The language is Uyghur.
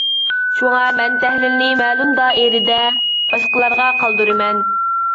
شۇڭا مەن تەھلىلنى مەلۇم دائىرىدە باشقىلارغا قالدۇرىمەن.